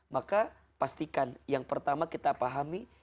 maka pastikan yang pertama kita pahami